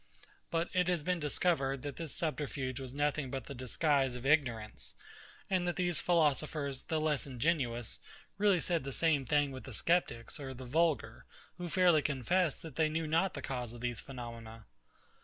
But it has been discovered, that this subterfuge was nothing but the disguise of ignorance; and that these philosophers, though less ingenuous, really said the same thing with the sceptics or the vulgar, who fairly confessed that they knew not the cause of these phenomena.